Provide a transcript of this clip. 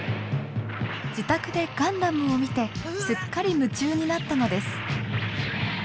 自宅で「ガンダム」を見てすっかり夢中になったのです。